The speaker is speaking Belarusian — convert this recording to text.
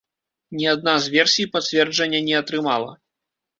Ні адна з версій пацверджання не атрымала.